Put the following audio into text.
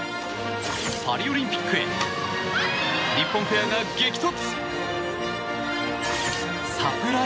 パリオリンピックへ日本ペアが激突！